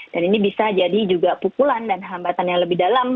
dan ini bisa jadi juga pukulan dan hambatan yang lebih dalam